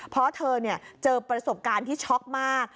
เพราะเธอเจอประสบการณ์ที่ช็อกมาก